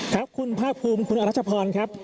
ครับคุณภาคภูมิคุณอรัชพรครับ